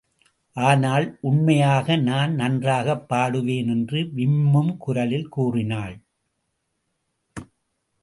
ஆனால் உண்மையாக நான் நன்றாகப் பாடுவேன்! என்று விம்மும் குரலில் கூறினாள்.